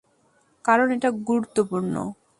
কারণ এটা গুরুত্বপূর্ণ।